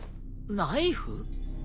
ナイフ？